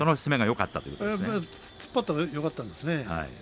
突っ張ったのがよかったですね。